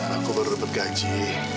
aku perlu dapat gaji